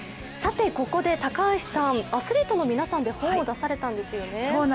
ここで高橋さん、アスリートの皆さんで本を出されたんですよね。